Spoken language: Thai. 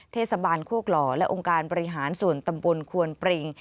เทศบาลโคกหล่อและองค์การบริหารส่วนตำบลควนปริง